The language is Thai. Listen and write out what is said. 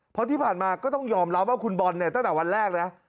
เพราะที่ผ่านมาก็ต้องยอมรับว่าคุณบอลเนี่ยตั้งแต่วันแรกนะ